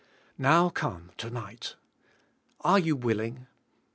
Now come, to night. Are jou willing?